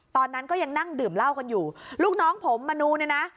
ตอนนั้นก็ยังนั่งดื่มเหล้ากันอยู่ลูกน้องผมมนูเนี่ยนะ